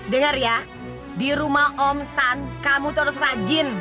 dengar ya di rumah om san kamu terus rajin